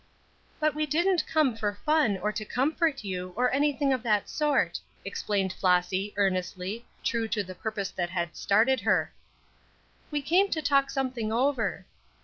"But we didn't come for fun or to comfort you, or anything of that sort," explained Flossy, earnestly, true to the purpose that had started her. "We came to talk something over."